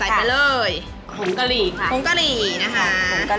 นี่ตรงนั้นไปเลยโผงกะหรี่ค่ะ